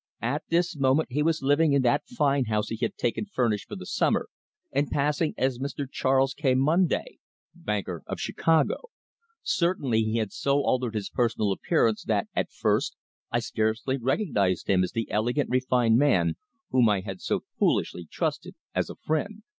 At this moment he was living in that fine house he had taken furnished for the summer and passing as Mr. Charles K. Munday, banker, of Chicago. Certainly he had so altered his personal appearance that at first I scarcely recognised him as the elegant, refined man whom I had so foolishly trusted as a friend.